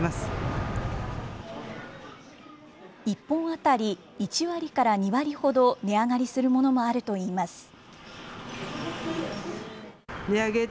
１本当たり１割から２割ほど値上がりするものもあるといいます。